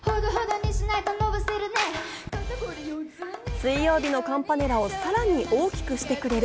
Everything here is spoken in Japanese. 水曜日のカンパネラをさらに大きくしてくれる。